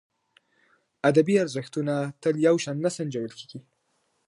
ادبي ارزښتونه تل یو شان نه سنجول کېږي.